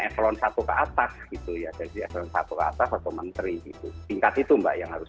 eflon satu ke atas gitu ya dari selanjutnya saat luar tersebut menteri itu tingkat itu mbak yang harus